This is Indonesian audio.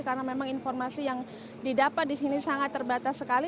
karena memang informasi yang didapat disini sangat terbatas sekali